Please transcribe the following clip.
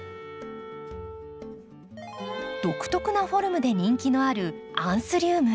独特なフォルムで人気のあるアンスリウム。